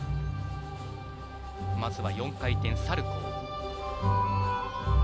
まずは４回転サルコー。